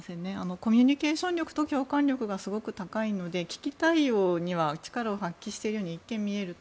コミュニケーション力と共感力がすごく高いので危機対応には力を発揮しているように一見見えると。